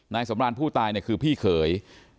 นายสำราญผู้ตายคือพี่เขย